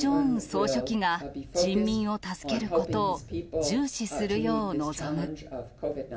総書記が人民を助けることを重視するよう望む。